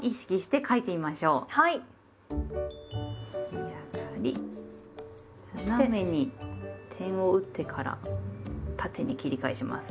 右上がりそして斜めに点を打ってから縦に切り返します。